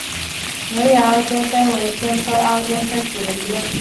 牛眼凹肩鲹为鲹科凹肩鲹属的鱼类。